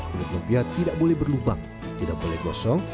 kulit lumpia tidak boleh berlubang tidak boleh gosong